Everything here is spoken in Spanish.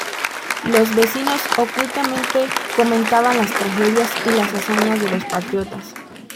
Los vecinos ocultamente comentaban las tragedias y las hazañas de los patriotas.